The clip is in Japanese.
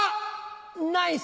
ナイス！